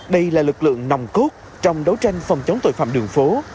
đây là lực lượng nòng cốt trong đấu tranh phòng chống tội phạm đường phố